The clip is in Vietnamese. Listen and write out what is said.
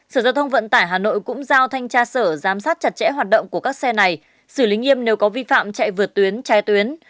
sở giao thông vận tải hà nội cũng giao thanh tra sở giám sát chặt chẽ hoạt động của các xe này xử lý nghiêm nếu có vi phạm chạy vượt tuyến trái tuyến